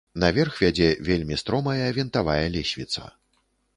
Наверх вядзе вельмі стромая вінтавая лесвіца.